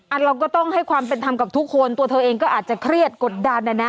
เราก็ต้องให้ความเป็นธรรมกับทุกคนตัวเธอเองก็อาจจะเครียดกดดันนะนะ